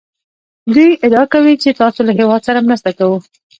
دوی ادعا کوي چې ستاسو له هېواد سره مرسته کوو